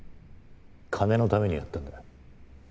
金のためにやったんだ。